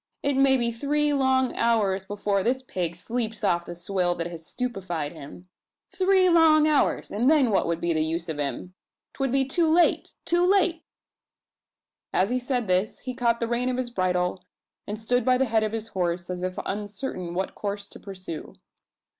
It maybe three long hours before this pig sleeps off the swill that has stupefied him. Three long hours, and then what would be the use of him? 'Twould be too late too late!" As he said this, he caught the rein of his bridle, and stood by the head of his horse, as if uncertain what course to pursue.